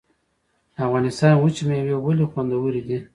د افغانستان وچې میوې ولې خوندورې دي؟